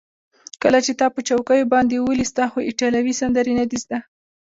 کله چې تا په چوکیو باندې وولي، ستا خو ایټالوي سندرې نه دي زده.